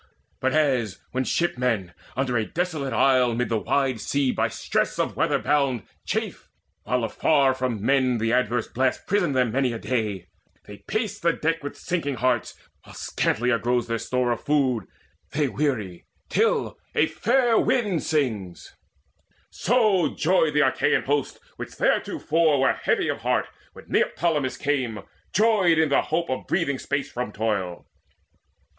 But as when shipmen, under a desolate isle Mid the wide sea by stress of weather bound, Chafe, while afar from men the adverse blasts Prison them many a day; they pace the deck With sinking hearts, while scantier grows their store Of food; they weary till a fair wind sings; So joyed the Achaean host, which theretofore Were heavy of heart, when Neoptolemus came, Joyed in the hope of breathing space from toil.